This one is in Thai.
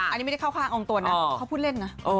อันนี้ไม่ได้เข้าข้างองค์ตัวนะเขาพูดเล่นนะ